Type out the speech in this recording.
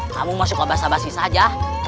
kamu masuk ke basah basih saja